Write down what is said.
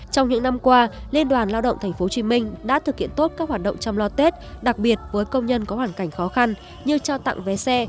trong những năm qua liên đoàn lao động tp hcm đã thực hiện tốt các hoạt động chăm lo tết đặc biệt với công nhân có hoàn cảnh khó khăn như trao tặng vé xe